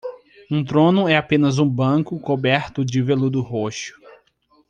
Um trono é apenas um banco coberto de veludo roxo.